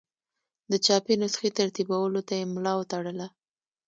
د چاپي نسخې ترتیبولو ته یې ملا وتړله.